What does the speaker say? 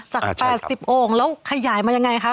จาก๘๐โอ่งแล้วขยายมายังไงคะ